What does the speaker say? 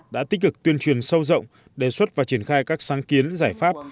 đã tích cực tuyên truyền sâu rộng đề xuất và triển khai các sáng kiến giải pháp